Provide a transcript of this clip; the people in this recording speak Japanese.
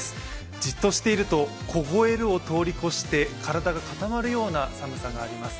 じっとしていると凍えるを通り越して体が固まるような寒さがあります。